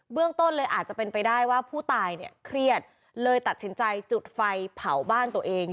ต้นเลยอาจจะเป็นไปได้ว่าผู้ตายเนี่ยเครียดเลยตัดสินใจจุดไฟเผาบ้านตัวเอง